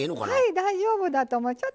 はい大丈夫だと思う。